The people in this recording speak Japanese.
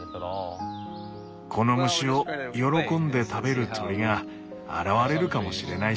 この虫を喜んで食べる鳥が現れるかもしれないし。